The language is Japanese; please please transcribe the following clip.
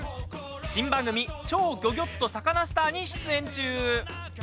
新番組「超ギョギョッとサカナ★スター」に出演中。